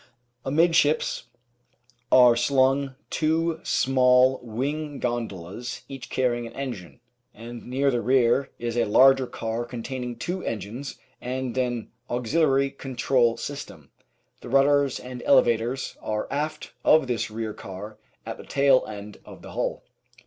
Amidships are slung two small wing gondolas each carrying an engine, and near the rear is a larger car containing two engines and an auxiliary control system. The rudders and elevators are aft of this rear car at the tail end of the hull.